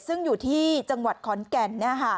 ซึ่งอยู่ที่จังหวัดขอนแก่น